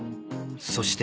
そして